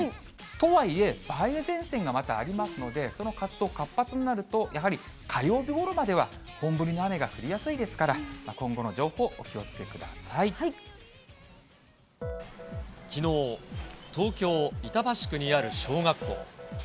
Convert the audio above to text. とはいえ、梅雨前線がまたありますので、その活動、活発になると、やはり火曜日ごろまでは本降りの雨が降りやすいですから、今後のきのう、東京・板橋区にある小学校。